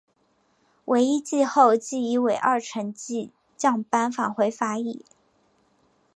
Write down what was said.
惟一季后即以尾二成绩降班返回法乙。